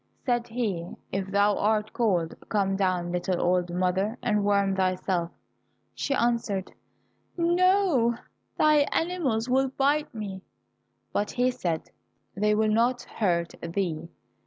Said he, "If thou art cold, come down, little old mother, and warm thyself." She answered, "No, thy animals will bite me." But he said, "They will not hurt thee."